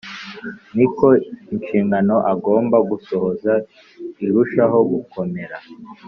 ni ko inshingano agomba gusohoza irushaho gukomera,